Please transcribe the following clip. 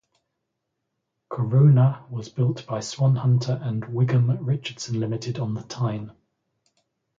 "Corunna" was built by Swan Hunter and Wigham Richardson Limited on the Tyne.